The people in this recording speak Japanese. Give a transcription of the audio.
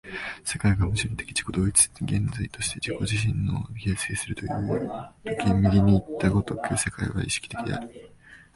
世界が矛盾的自己同一的現在として自己自身を形成するという時右にいった如く世界は意識的である。